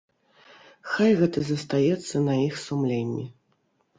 Хай гэта застаецца на іх сумленні.